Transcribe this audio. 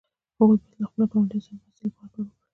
هغوی باید له خپلو ګاونډیو سره مرستې لپاره کار وکړي.